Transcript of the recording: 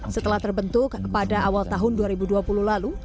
setelah terbentuk pada awal tahun dua ribu dua puluh lalu